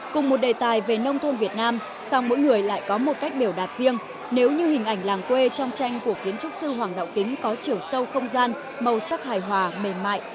cùng một đề tài về nông thôn việt nam song mỗi người lại có một cách biểu đạt riêng nếu như hình ảnh làng quê trong tranh của kiến trúc sư hoàng đạo kính có chiều sâu không gian màu sắc hài hòa mềm mại